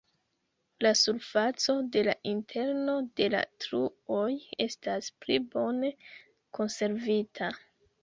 La surfaco de la interno de la truoj estas pli bone konservita.